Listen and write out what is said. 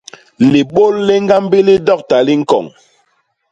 Libôl li ñgambi li dokta li ñkoñ.